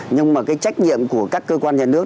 nhưng mà cái trách nhiệm của các cơ quan nhà nước